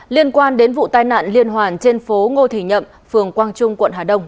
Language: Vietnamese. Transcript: liên quan đến vụ tai nạn liên hoàn trên phố ngô thị nhậm phường quang trung quận hà đông